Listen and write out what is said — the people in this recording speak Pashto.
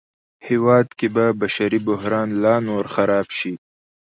هېواد کې به بشري بحران لا نور خراب شي